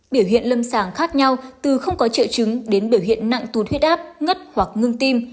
biểu hiện lâm sàng khác nhau từ không có triệu chứng đến biểu hiện nặng tụt huyết áp ngất hoặc ngưng tim